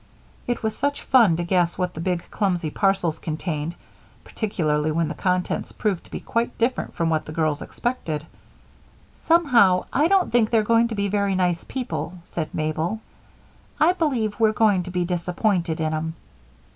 It was such fun to guess what the big, clumsy parcels contained, particularly when the contents proved to be quite different from what the girls expected. "Somehow, I don't think they're going to be very nice people," said Mabel. "I b'lieve we're going to be disappointed in 'em."